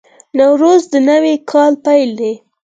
نوروز د نوي کال پیل دی.